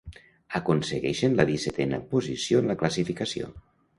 Aconsegueixen la dissetena posició en la classificació.